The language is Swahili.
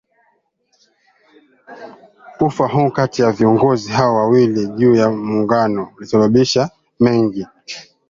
Ufa huu kati ya viongozi hao wawili juu ya Muungano ulisababisha mengi